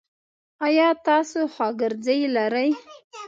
ایا تاسو خواګرځی لری؟